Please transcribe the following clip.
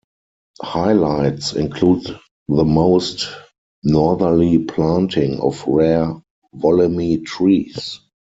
Highlights include the most northerly planting of rare Wollemi trees.